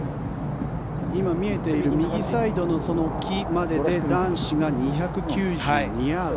今見えている右サイドの木までで男子が２９２ヤード。